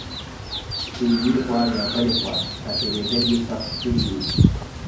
چې یوې خوا یا بلې خوا ته تېرېدل یې سخت کړي و.